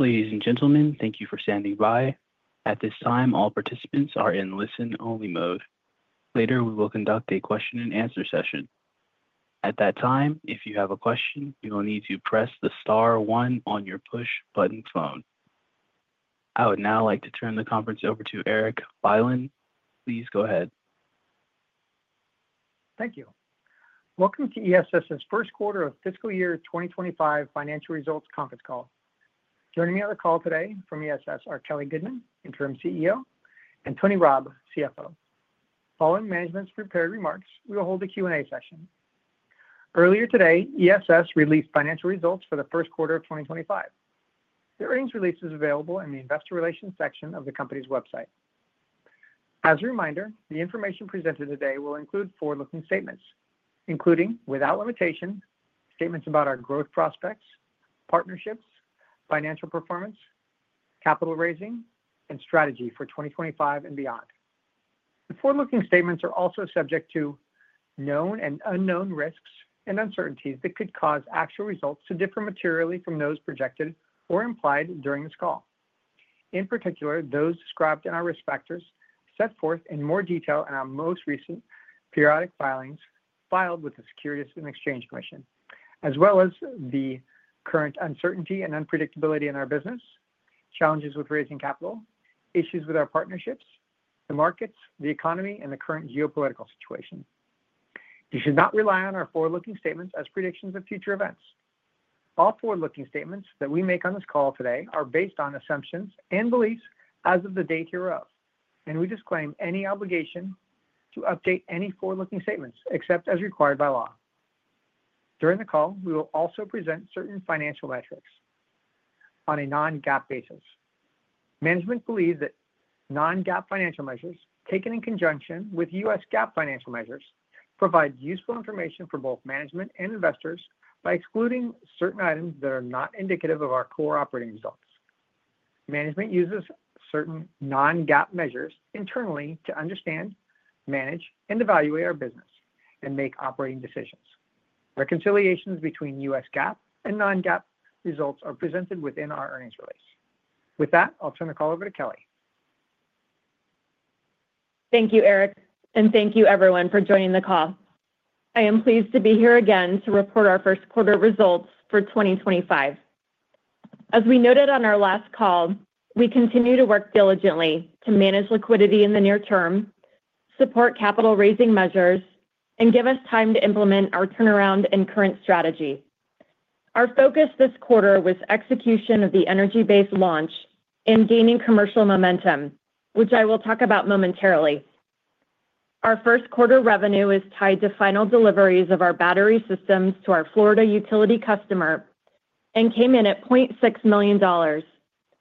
Ladies and gentlemen, thank you for standing by. At this time, all participants are in listen-only mode. Later, we will conduct a question-and-answer session. At that time, if you have a question, you will need to press the star one on your push-button phone. I would now like to turn the conference over to Eric Bylin. Please go ahead. Thank you. Welcome to ESS's first quarter of fiscal year 2025 financial results conference call. Joining me on the call today from ESS are Kelly Goodman, Interim CEO, and Tony Rabb, CFO. Following management's prepared remarks, we will hold a Q&A session. Earlier today, ESS released financial results for the first quarter of 2025. The earnings release is available in the investor relations section of the company's website. As a reminder, the information presented today will include forward-looking statements, including without limitation, statements about our growth prospects, partnerships, financial performance, capital raising, and strategy for 2025 and beyond. The forward-looking statements are also subject to known and unknown risks and uncertainties that could cause actual results to differ materially from those projected or implied during this call. In particular, those described in our risk factors set forth in more detail in our most recent periodic filings filed with the Securities and Exchange Commission, as well as the current uncertainty and unpredictability in our business, challenges with raising capital, issues with our partnerships, the markets, the economy, and the current geopolitical situation. You should not rely on our forward-looking statements as predictions of future events. All forward-looking statements that we make on this call today are based on assumptions and beliefs as of the date hereof, and we disclaim any obligation to update any forward-looking statements except as required by law. During the call, we will also present certain financial metrics on a non-GAAP basis. Management believes that non-GAAP financial measures taken in conjunction with U.S. GAAP financial measures provide useful information for both management and investors by excluding certain items that are not indicative of our core operating results. Management uses certain non-GAAP measures internally to understand, manage, and evaluate our business and make operating decisions. Reconciliations between U.S. GAAP and non-GAAP results are presented within our earnings release. With that, I'll turn the call over to Kelly. Thank you, Eric, and thank you, everyone, for joining the call. I am pleased to be here again to report our first quarter results for 2025. As we noted on our last call, we continue to work diligently to manage liquidity in the near-term, support capital raising measures, and give us time to implement our turnaround and current strategy. Our focus this quarter was execution of the Energy Base launch and gaining commercial momentum, which I will talk about momentarily. Our first quarter revenue is tied to final deliveries of our battery systems to our Florida utility customer and came in at $0.6 million,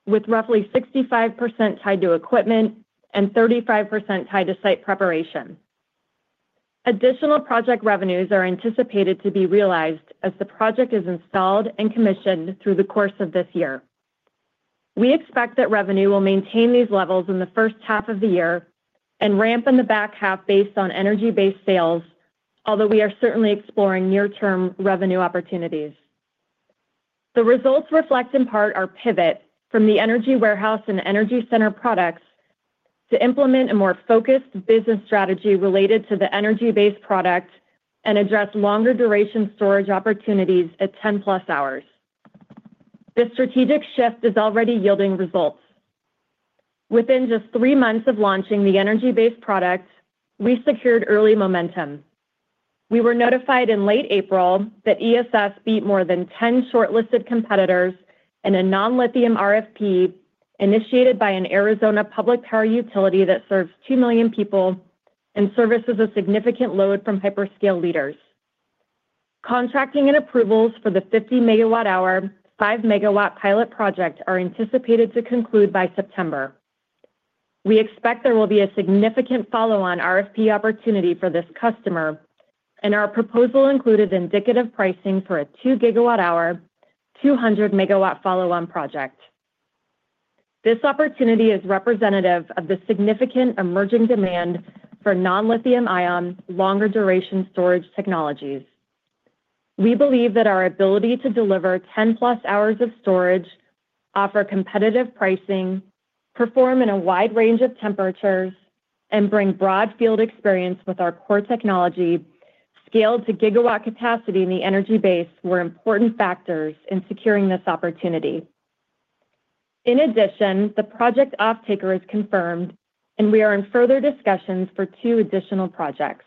with roughly 65% tied to equipment and 35% tied to site preparation. Additional project revenues are anticipated to be realized as the project is installed and commissioned through the course of this year. We expect that revenue will maintain these levels in the first half of the year and ramp in the back half based on Energy Base sales, although we are certainly exploring near-term revenue opportunities. The results reflect in part our pivot from the Energy Warehouse and Energy Center products to implement a more focused business strategy related to the Energy Base product and address longer duration storage opportunities at 10+ hours. This strategic shift is already yielding results. Within just three months of launching the Energy Base product, we secured early momentum. We were notified in late April that ESS beat more than 10 shortlisted competitors in a non-lithium RFP initiated by an Arizona public power utility that serves 2 million people and services a significant load from hyperscale leaders. Contracting and approvals for the 50 MWh, 5 MW pilot project are anticipated to conclude by September. We expect there will be a significant follow-on RFP opportunity for this customer, and our proposal included indicative pricing for a 2 GW-hour, 200 MW follow-on project. This opportunity is representative of the significant emerging demand for non-lithium-ion longer duration storage technologies. We believe that our ability to deliver 10+ of storage, offer competitive pricing, perform in a wide range of temperatures, and bring broad field experience with our core technology scaled to gigawatt capacity in the Energy Base were important factors in securing this opportunity. In addition, the project off-taker is confirmed, and we are in further discussions for two additional projects.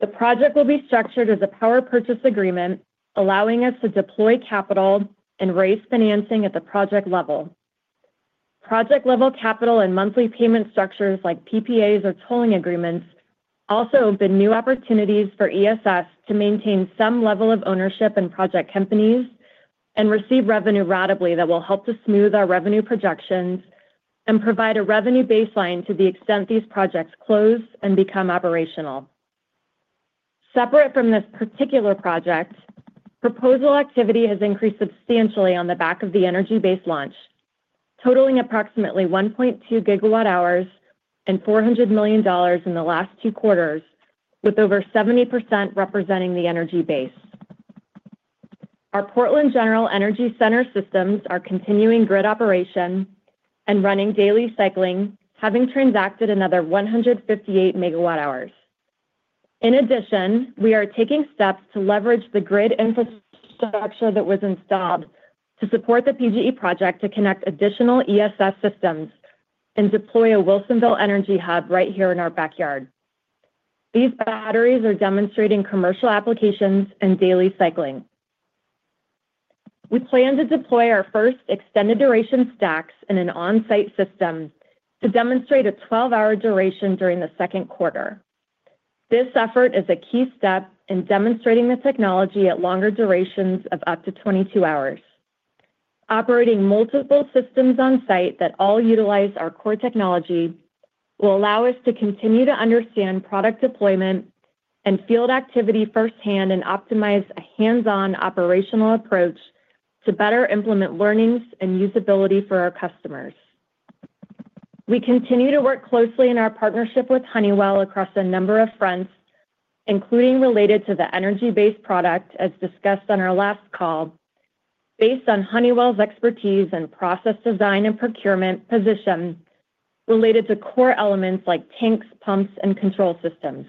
The project will be structured as a power purchase agreement, allowing us to deploy capital and raise financing at the project level. Project-level capital and monthly payment structures like PPAs or tolling agreements also open new opportunities for ESS to maintain some level of ownership in project companies and receive revenue radically that will help to smooth our revenue projections and provide a revenue baseline to the extent these projects close and become operational. Separate from this particular project, proposal activity has increased substantially on the back of the Energy Base launch, totaling approximately 1.2 GW-hours and $400 million in the last two quarters, with over 70% representing the Energy Base. Our Portland General Electric Energy Center systems are continuing grid operation and running daily cycling, having transacted another 158 MW-hours. In addition, we are taking steps to leverage the grid infrastructure that was installed to support the PGE project to connect additional ESS systems and deploy a Wilsonville energy hub right here in our backyard. These batteries are demonstrating commercial applications and daily cycling. We plan to deploy our first extended duration stacks in an on-site system to demonstrate a 12-hour duration during the second quarter. This effort is a key step in demonstrating the technology at longer durations of up to 22 hours. Operating multiple systems on-site that all utilize our core technology will allow us to continue to understand product deployment and field activity firsthand and optimize a hands-on operational approach to better implement learnings and usability for our customers. We continue to work closely in our partnership with Honeywell across a number of fronts, including related to the Energy Base product, as discussed on our last call, based on Honeywell's expertise and process design and procurement position related to core elements like tanks, pumps, and control systems.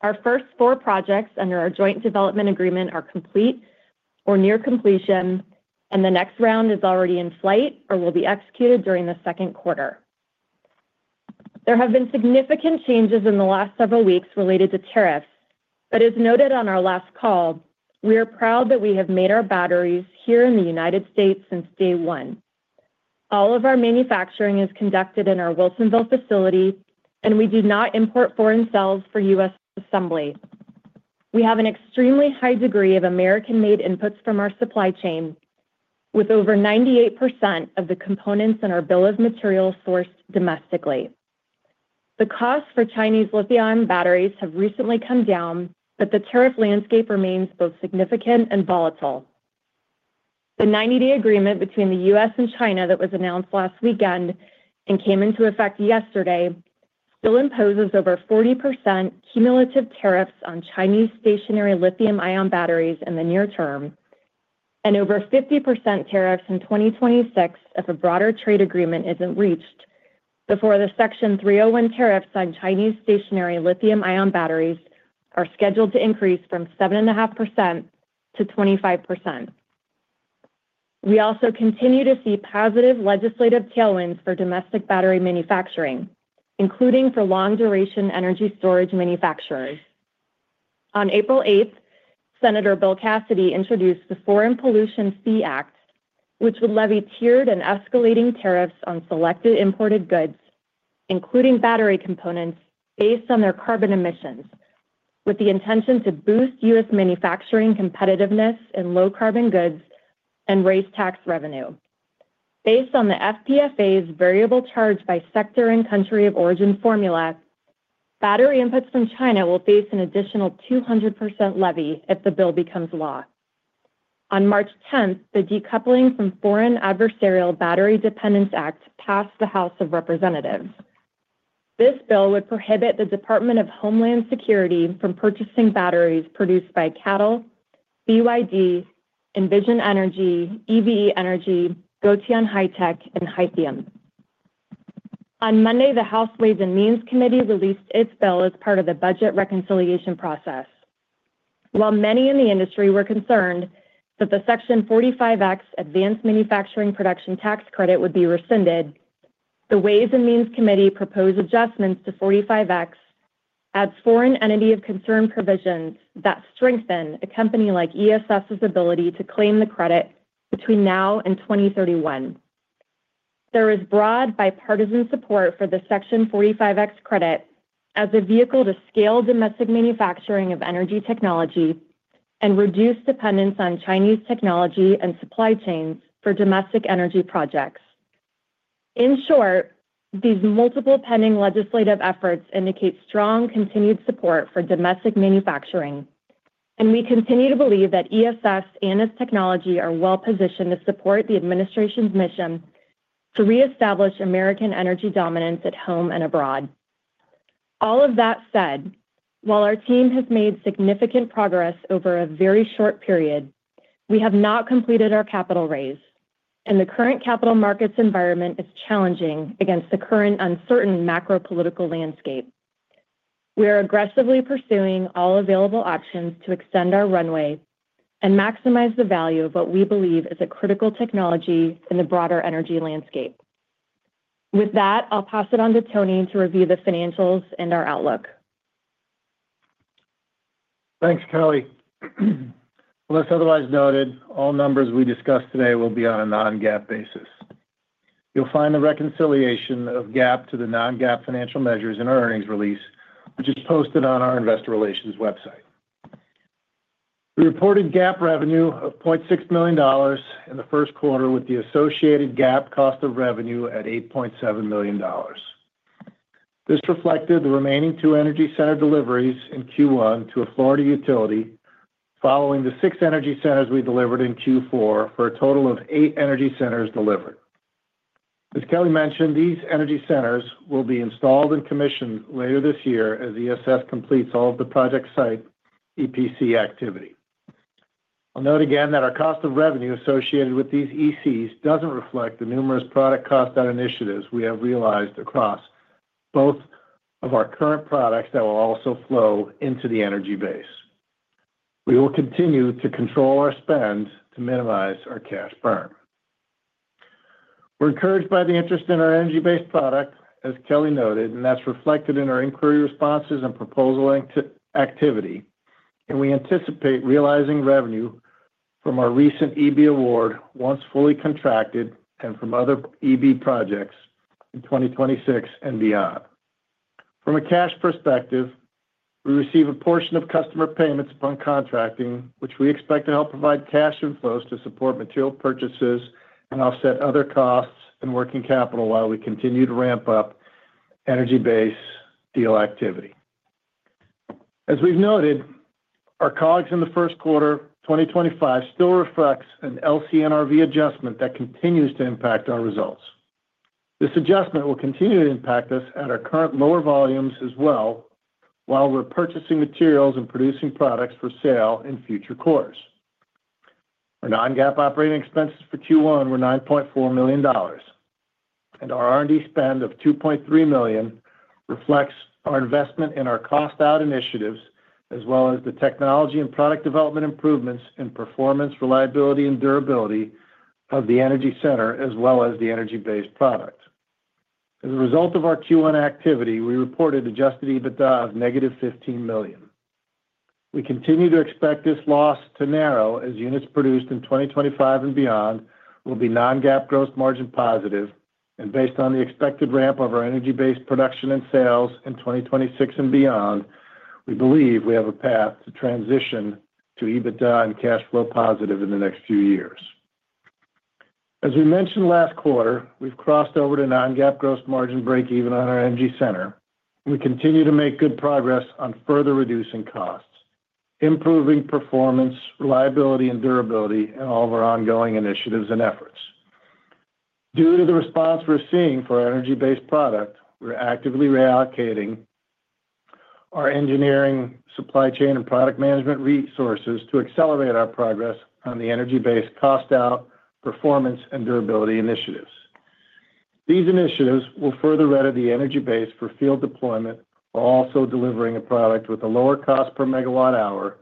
Our first four projects under our joint development agreement are complete or near completion, and the next round is already in flight or will be executed during the second quarter. There have been significant changes in the last several weeks related to tariffs, but as noted on our last call, we are proud that we have made our batteries here in the United States since day one. All of our manufacturing is conducted in our Wilsonville facility, and we do not import foreign cells for U.S. assembly. We have an extremely high degree of American-made inputs from our supply chain, with over 98% of the components in our bill of materials sourced domestically. The costs for Chinese lithium batteries have recently come down, but the tariff landscape remains both significant and volatile. The 90-day agreement between the U.S. China that was announced last weekend and came into effect yesterday still imposes over 40% cumulative tariffs on Chinese stationary lithium-ion batteries in the near term, and over 50% tariffs in 2026 if a broader trade agreement is not reached before the Section 301 tariffs on Chinese stationary lithium-ion batteries are scheduled to increase from 7.5% to 25%. We also continue to see positive legislative tailwinds for domestic battery manufacturing, including for long-duration energy storage manufacturers. On April 8th, Senator Bill Cassidy introduced the Foreign Pollution Fee Act, which would levy tiered and escalating tariffs on selected imported goods, including battery components, based on their carbon emissions, with the intention to boost U.S. manufacturing competitiveness in low-carbon goods and raise tax revenue. Based on the FTFA's variable charge by sector and country of origin formula, battery inputs from China will face an additional 200% levy if the bill becomes law. On March 10th, the Decoupling from Foreign Adversarial Battery Dependence Act passed the House of Representatives. This bill would prohibit the Department of Homeland Security from purchasing batteries produced by CATL, BYD, Envision Energy, EVE Energy, Gotion High-Tech, and Hithium. On Monday, the House Ways and Means Committee released its bill as part of the budget reconciliation process. While many in the industry were concerned that the Section 45X Advanced Manufacturing Production Tax Credit would be rescinded, the Ways and Means Committee proposed adjustments to 45X as foreign entity of concern provisions that strengthen a company like ESS's ability to claim the credit between now and 2031. There is broad bipartisan support for the Section 45X credit as a vehicle to scale domestic manufacturing of energy technology and reduce dependence on Chinese technology and supply chains for domestic energy projects. In short, these multiple pending legislative efforts indicate strong continued support for domestic manufacturing, and we continue to believe that ESS and its technology are well-positioned to support the administration's mission to reestablish American energy dominance at home and abroad. All of that said, while our team has made significant progress over a very short period, we have not completed our capital raise, and the current capital markets environment is challenging against the current uncertain macro-political landscape. We are aggressively pursuing all available options to extend our runway and maximize the value of what we believe is a critical technology in the broader energy landscape. With that, I'll pass it on to Tony to review the financials and our outlook. Thanks, Kelly. Unless otherwise noted, all numbers we discussed today will be on a non-GAAP basis. You'll find the reconciliation of GAAP to the non-GAAP financial measures in our earnings release, which is posted on our investor relations website. We reported GAAP revenue of $0.6 million in the first quarter, with the associated GAAP cost of revenue at $8.7 million. This reflected the remaining two Energy Center deliveries in Q1 to a Florida utility following the six Energy Centers we delivered in Q4 for a total of eight Energy Centers delivered. As Kelly mentioned, these Energy Centers will be installed and commissioned later this year as ESS completes all of the project site EPC activity. I'll note again that our cost of revenue associated with these ECs doesn't reflect the numerous product cost out initiatives we have realized across both of our current products that will also flow into the Energy Base. We will continue to control our spend to minimize our cash burn. We're encouraged by the interest in our Energy Base product, as Kelly noted, and that's reflected in our inquiry responses and proposal activity, and we anticipate realizing revenue from our recent EB award once fully contracted and from other EB projects in 2026 and beyond. From a cash perspective, we receive a portion of customer payments upon contracting, which we expect to help provide cash inflows to support material purchases and offset other costs and working capital while we continue to ramp up Energy Base deal activity. As we've noted, our colleagues in the first quarter, 2025, still reflects an LCNRV adjustment that continues to impact our results. This adjustment will continue to impact us at our current lower volumes as well while we're purchasing materials and producing products for sale in future quarters. Our non-GAAP operating expenses for Q1 were $9.4 million, and our R&D spend of $2.3 million reflects our investment in our cost-out initiatives as well as the technology and product development improvements in performance, reliability, and durability of the Energy Center as well as the Energy Base product. As a result of our Q1 activity, we reported adjusted EBITDA of -$15 million. We continue to expect this loss to narrow as units produced in 2025 and beyond will be non-GAAP gross margin positive, and based on the expected ramp of our Energy Base production and sales in 2026 and beyond, we believe we have a path to transition to EBITDA and cash flow positive in the next few years. As we mentioned last quarter, we've crossed over to non-GAAP gross margin break-even on our Energy Center, and we continue to make good progress on further reducing costs, improving performance, reliability, and durability in all of our ongoing initiatives and efforts. Due to the response we're seeing for our Energy Base product, we're actively reallocating our engineering, supply chain, and product management resources to accelerate our progress on the Energy Base cost-out performance and durability initiatives. These initiatives will further ready the Energy Base for field deployment while also delivering a product with a lower cost per megawatt-hour,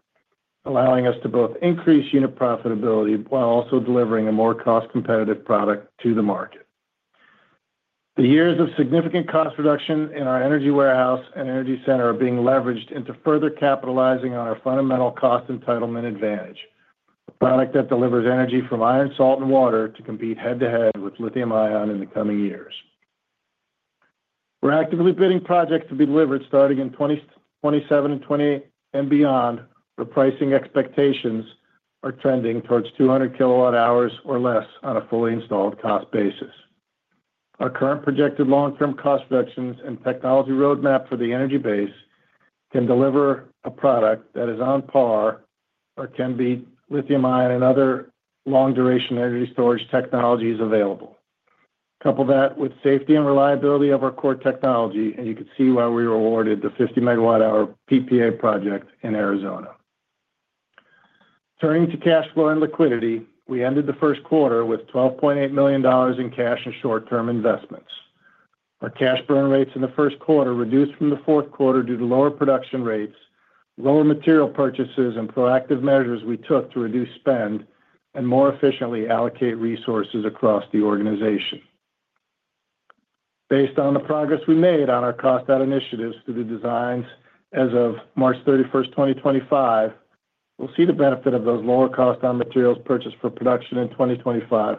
allowing us to both increase unit profitability while also delivering a more cost-competitive product to the market. The years of significant cost reduction in our Energy Warehouse and Energy Center are being leveraged into further capitalizing on our fundamental cost entitlement advantage, a product that delivers energy from iron, salt, and water to compete head-to-head with lithium-ion in the coming years. We're actively bidding projects to be delivered starting in 2027 and 2028 and beyond, where pricing expectations are trending towards 200 per kW-hour or less on a fully installed cost basis. Our current projected long-term cost reductions and technology roadmap for the Energy Base can deliver a product that is on par or can beat lithium-ion and other long-duration energy storage technologies available. Couple that with safety and reliability of our core technology, and you can see why we were awarded the 50 MW-hour PPA project in Arizona. Turning to cash flow and liquidity, we ended the first quarter with $12.8 million in cash and short-term investments. Our cash burn rates in the first quarter reduced from the fourth quarter due to lower production rates, lower material purchases, and proactive measures we took to reduce spend and more efficiently allocate resources across the organization. Based on the progress we made on our cost-out initiatives through the designs as of March 31st, 2025, we'll see the benefit of those lower cost-on materials purchased for production in 2025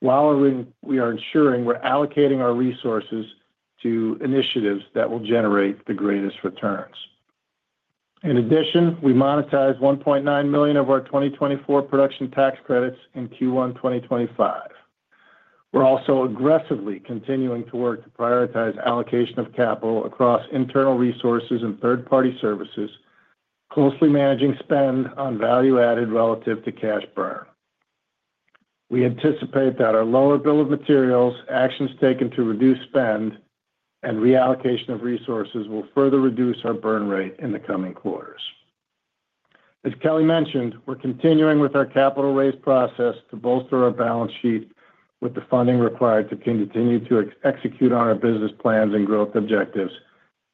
while we are ensuring we're allocating our resources to initiatives that will generate the greatest returns. In addition, we monetized $1.9 million of our 2024 production tax credits in Q1, 2025. We're also aggressively continuing to work to prioritize allocation of capital across internal resources and third-party services, closely managing spend on value-added relative to cash burn. We anticipate that our lower bill of materials, actions taken to reduce spend, and reallocation of resources will further reduce our burn rate in the coming quarters. As Kelly mentioned, we're continuing with our capital raise process to bolster our balance sheet with the funding required to continue to execute on our business plans and growth objectives.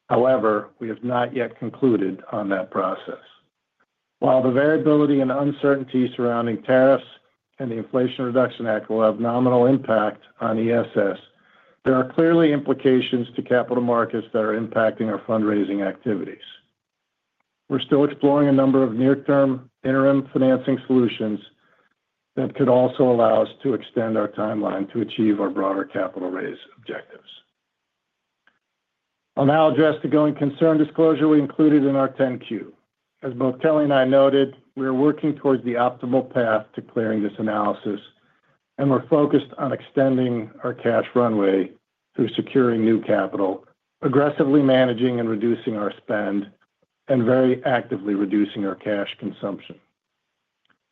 However, we have not yet concluded on that process. While the variability and uncertainty surrounding tariffs and the Inflation Reduction Act will have nominal impact on ESS, there are clearly implications to capital markets that are impacting our fundraising activities. We're still exploring a number of near-term interim financing solutions that could also allow us to extend our timeline to achieve our broader capital raise objectives. I'll now address the going concern disclosure we included in our 10-Q. As both Kelly and I noted, we are working towards the optimal path to clearing this analysis, and we're focused on extending our cash runway through securing new capital, aggressively managing and reducing our spend, and very actively reducing our cash consumption.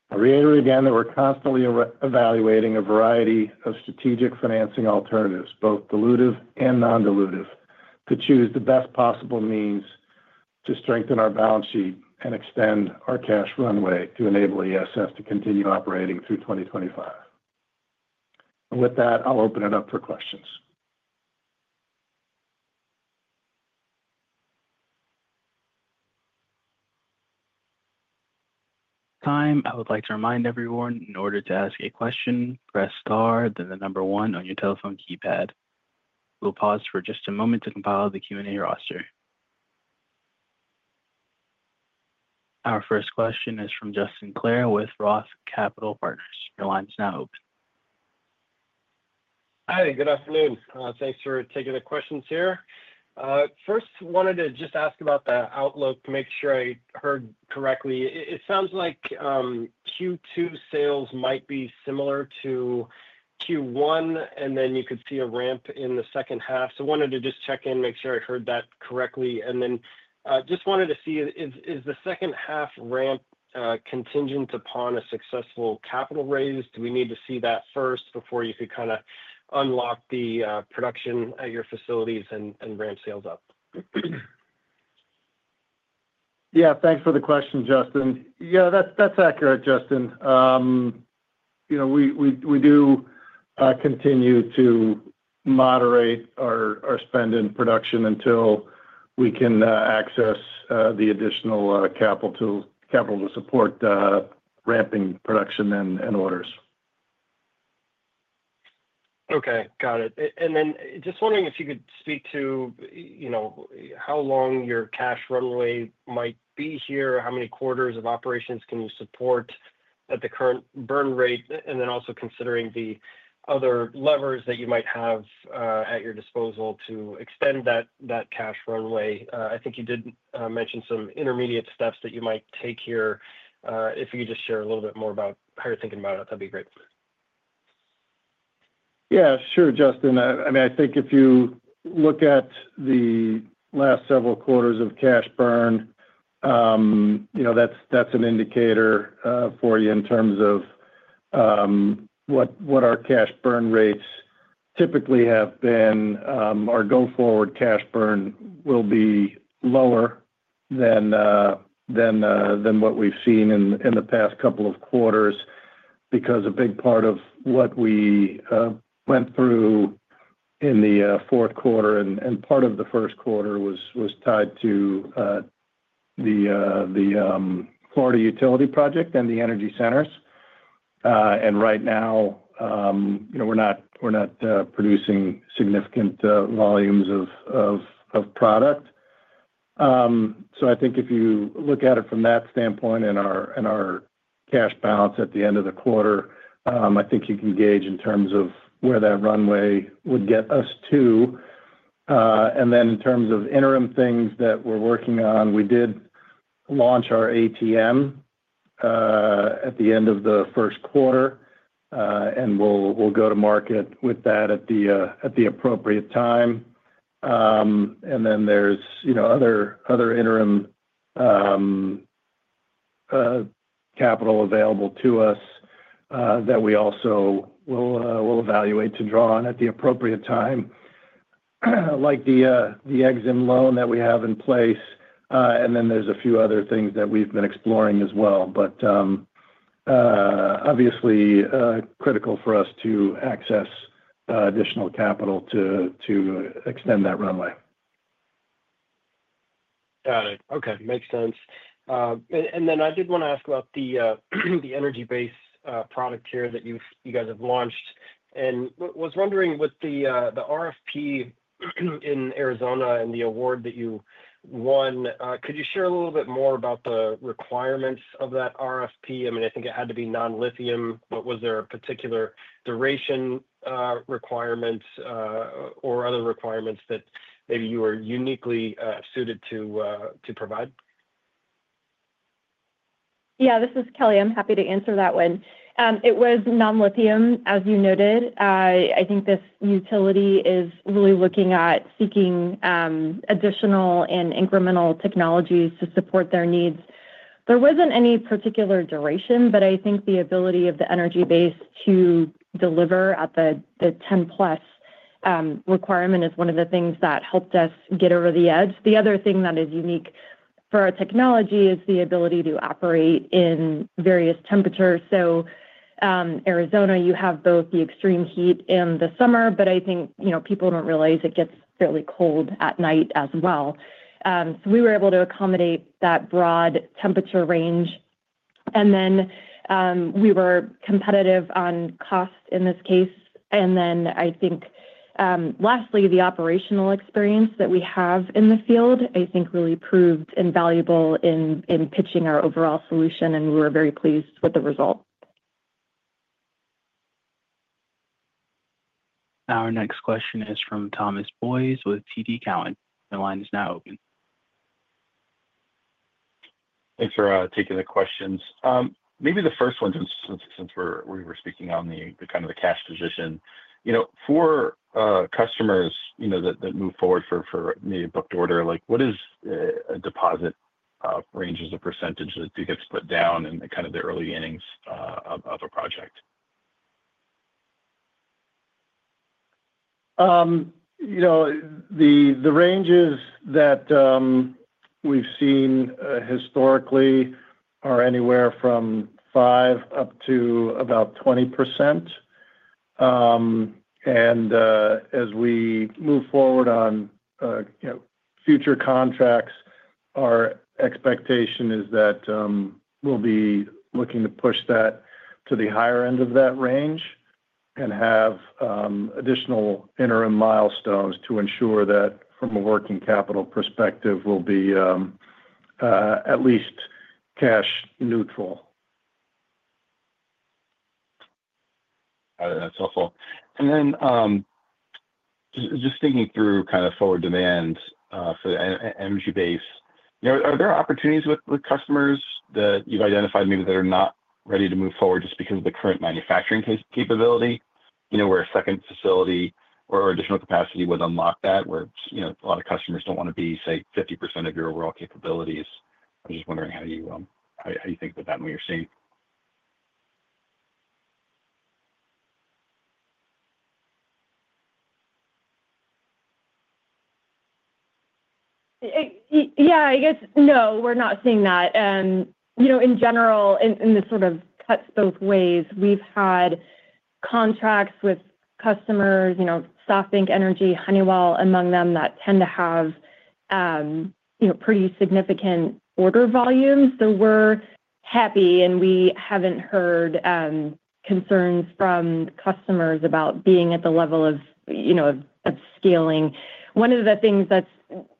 I reiterate again that we're constantly evaluating a variety of strategic financing alternatives, both dilutive and non-dilutive, to choose the best possible means to strengthen our balance sheet and extend our cash runway to enable ESS to continue operating through 2025. With that, I'll open it up for questions. Time. I would like to remind everyone in order to ask a question, press star, then the number one on your telephone keypad. We'll pause for just a moment to compile the Q&A roster. Our first question is from Justin Clare with ROTH Capital Partners. Your line is now open. Hi. Good afternoon. Thanks for taking the questions here. First, wanted to just ask about the outlook to make sure I heard correctly. It sounds like Q2 sales might be similar to Q1, and then you could see a ramp in the second half. Wanted to just check in, make sure I heard that correctly. Then just wanted to see, is the second half ramp contingent upon a successful capital raise? Do we need to see that first before you could kind of unlock the production at your facilities and ramp sales up? Yeah. Thanks for the question, Justin. Yeah, that's accurate, Justin. We do continue to moderate our spend in production until we can access the additional capital to support ramping production and orders. Okay. Got it. If you could speak to how long your cash runway might be here, how many quarters of operations you can support at the current burn rate, and also considering the other levers that you might have at your disposal to extend that cash runway. I think you did mention some intermediate steps that you might take here. If you could just share a little bit more about how you're thinking about it, that'd be great. Yeah. Sure, Justin. I mean, I think if you look at the last several quarters of cash burn, that's an indicator for you in terms of what our cash burn rates typically have been. Our go-forward cash burn will be lower than what we've seen in the past couple of quarters because a big part of what we went through in the fourth quarter and part of the first quarter was tied to the Florida utility project and the Energy Centers. Right now, we're not producing significant volumes of product. I think if you look at it from that standpoint and our cash balance at the end of the quarter, I think you can gauge in terms of where that runway would get us to. In terms of interim things that we're working on, we did launch our ATM at the end of the first quarter, and we'll go to market with that at the appropriate time. There is other interim capital available to us that we also will evaluate to draw on at the appropriate time, like the Exim loan that we have in place. There are a few other things that we've been exploring as well, but obviously critical for us to access additional capital to extend that runway. Got it. Okay. Makes sense. I did want to ask about the Energy Base product here that you guys have launched. I was wondering with the RFP in Arizona and the award that you won, could you share a little bit more about the requirements of that RFP? I mean, I think it had to be non-lithium, but was there a particular duration requirement or other requirements that maybe you were uniquely suited to provide? Yeah. This is Kelly. I'm happy to answer that one. It was non-lithium, as you noted. I think this utility is really looking at seeking additional and incremental technologies to support their needs. There wasn't any particular duration, but I think the ability of the Energy Base to deliver at the 10+ requirement is one of the things that helped us get over the edge. The other thing that is unique for our technology is the ability to operate in various temperatures. Arizona, you have both the extreme heat in the summer, but I think people don't realize it gets fairly cold at night as well. We were able to accommodate that broad temperature range. We were competitive on cost in this case. I think lastly, the operational experience that we have in the field, I think really proved invaluable in pitching our overall solution, and we were very pleased with the result. Our next question is from Thomas Boyes with TD Cowen. The line is now open. Thanks for taking the questions. Maybe the first one, since we were speaking on the kind of the cash position, for customers that move forward for maybe a booked order, what is a deposit range as a percentage that you get to put down in kind of the early innings of a project? The ranges that we've seen historically are anywhere from 5% up to about 20%. As we move forward on future contracts, our expectation is that we'll be looking to push that to the higher end of that range and have additional interim milestones to ensure that from a working capital perspective, we'll be at least cash neutral. That's helpful. Just thinking through kind of forward demand for the Energy Base, are there opportunities with customers that you've identified maybe that are not ready to move forward just because of the current manufacturing capability, where a second facility or additional capacity would unlock that, where a lot of customers don't want to be, say, 50% of your overall capabilities? I'm just wondering how you think about that when you're seeing. Yeah. I guess no, we're not seeing that. In general, and this sort of cuts both ways, we've had contracts with customers, SoftBank Energy, Honeywell among them, that tend to have pretty significant order volumes. So we're happy, and we haven't heard concerns from customers about being at the level of scaling. One of the things that's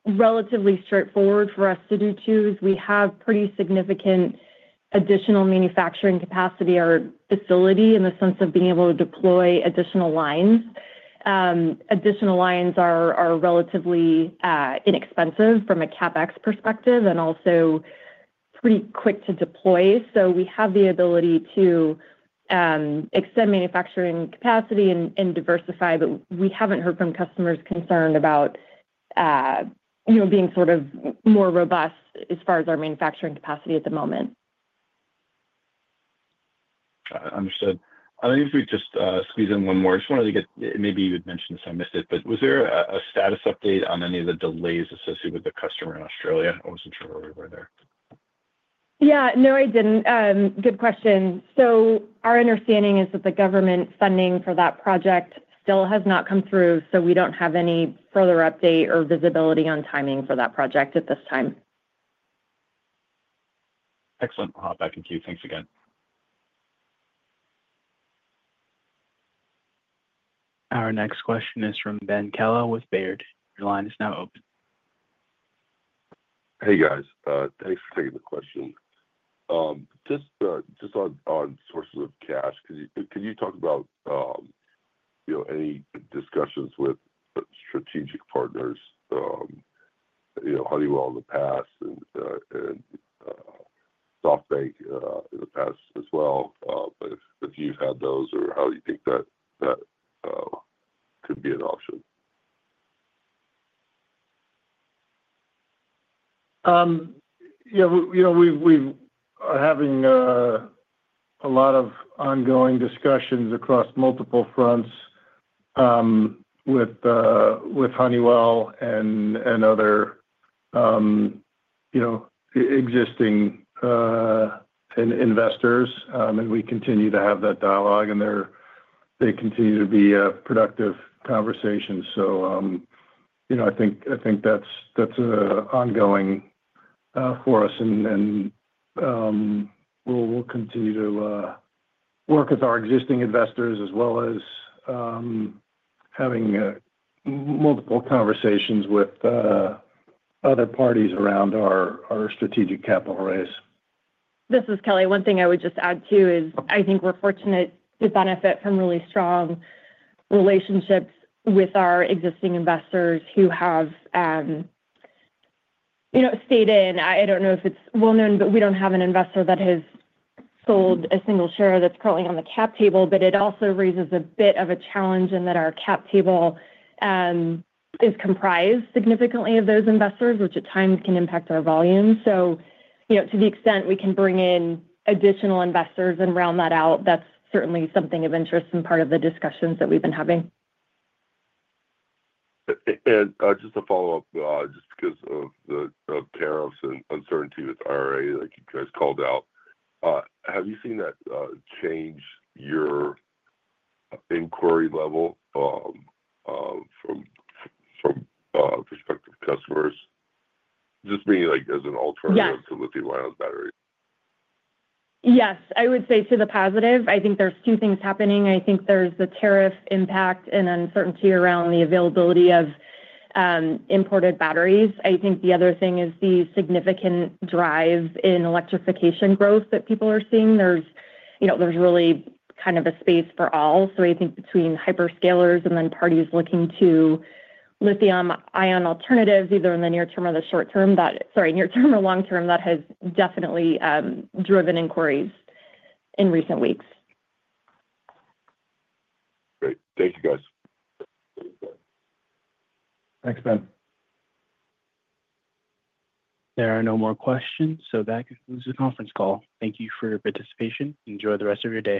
relatively straightforward for us to do too is we have pretty significant additional manufacturing capacity at our facility in the sense of being able to deploy additional lines. Additional lines are relatively inexpensive from a CapEx perspective and also pretty quick to deploy. We have the ability to extend manufacturing capacity and diversify, but we haven't heard from customers concerned about being sort of more robust as far as our manufacturing capacity at the moment. Understood. I think if we just squeeze in one more, I just wanted to get, maybe you had mentioned this, I missed it, but was there a status update on any of the delays associated with the customer in Australia? I wasn't sure why we were there. Yeah. No, I didn't. Good question. Our understanding is that the government funding for that project still has not come through, so we don't have any further update or visibility on timing for that project at this time. Excellent. I'll hop back in queue. Thanks again. Our next question is from Ben Kallo with Baird. Your line is now open. Hey, guys. Thanks for taking the question. Just on sources of cash, could you talk about any discussions with strategic partners, Honeywell in the past and SoftBank in the past as well? If you've had those, or how do you think that could be an option? Yeah. We are having a lot of ongoing discussions across multiple fronts with Honeywell and other existing investors, and we continue to have that dialogue, and they continue to be productive conversations. I think that's ongoing for us, and we'll continue to work with our existing investors as well as having multiple conversations with other parties around our strategic capital raise. This is Kelly. One thing I would just add too is I think we're fortunate to benefit from really strong relationships with our existing investors who have stayed in. I don't know if it's well-known, but we don't have an investor that has sold a single share that's currently on the cap table, but it also raises a bit of a challenge in that our cap table is comprised significantly of those investors, which at times can impact our volume. To the extent we can bring in additional investors and round that out, that's certainly something of interest and part of the discussions that we've been having. Just to follow up, just because of tariffs and uncertainty with IRA, like you guys called out, have you seen that change your inquiry level from prospective customers, just being as an alternative to lithium-ion battery? Yes. I would say to the positive. I think there are two things happening. I think there is the tariff impact and uncertainty around the availability of imported batteries. I think the other thing is the significant drive in electrification growth that people are seeing. There is really kind of a space for all. I think between hyperscalers and then parties looking to lithium-ion alternatives, either in the near term or the long term, that has definitely driven inquiries in recent weeks. Great. Thank you, guys. Thanks, Ben. There are no more questions, so that concludes the conference call. Thank you for your participation. Enjoy the rest of your day.